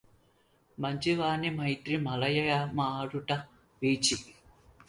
మంచి వాని మైత్రి మలయమారుత వీచి